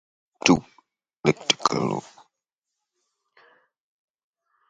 The school offers eight honors classes and fifteen Advanced Placement classes.